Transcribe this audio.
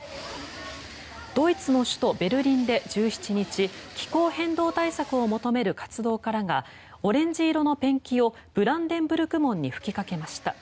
ドイツの首都ベルリンで１７日気候変動対策を求める活動家らがオレンジ色のペンキをブランデンブルク門に吹きかけました。